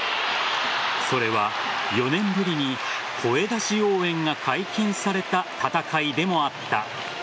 それは４年ぶりに声出し応援が解禁された戦いでもあった。